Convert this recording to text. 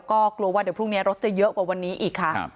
ก็กลัวว่าเดี๋ยวพรุ่งนี้รถจะเยอะกว่าวันนี้อีกค่ะ